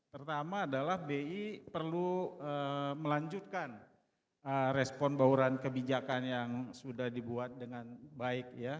pertama adalah bi perlu melanjutkan respon bauran kebijakan yang sudah dibuat dengan baik